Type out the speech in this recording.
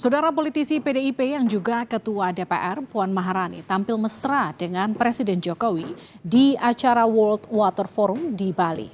saudara politisi pdip yang juga ketua dpr puan maharani tampil mesra dengan presiden jokowi di acara world water forum di bali